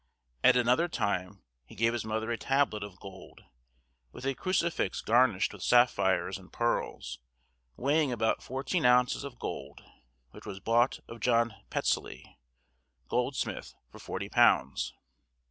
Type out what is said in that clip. At another time he gave his mother a tablet of gold, with a crucifix garnished with sapphires and pearls, weighing about fourteen ounces of gold, which was bought of John Patteslee, goldsmith, for forty pounds.